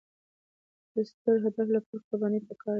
د ستر هدف لپاره قرباني پکار ده.